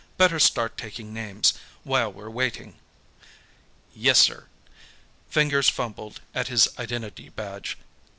"Better start taking names, while we're waiting." "Yes, sir." Fingers fumbled at his identity badge.